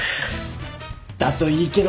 だといいけど。